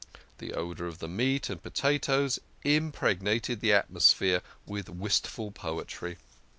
The odour of the meat and potatoes impregnated the atmosphere with wistful poetry.